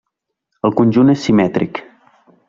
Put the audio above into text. El conjunt és simètric.